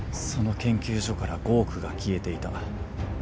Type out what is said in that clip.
その研究所から５億が消えていた。